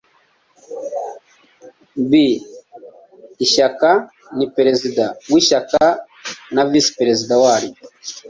b ishyaka ni perezida w ishyaka na visi perezida waryo